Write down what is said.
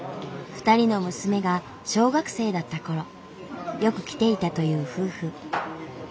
２人の娘が小学生だったころよく来ていたという夫婦。